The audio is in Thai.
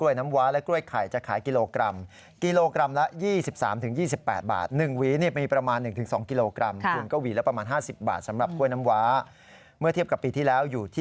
อยู่ที่กิโลกรัมละ๑๕บาทเองนะฮะ